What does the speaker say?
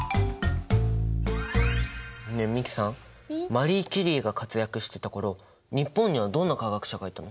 マリー・キュリーが活躍してた頃日本にはどんな科学者がいたの？